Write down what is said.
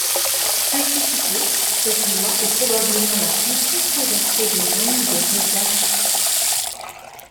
Très critiquée, cette loi est probablement la plus controversée du règne de Reza Shah.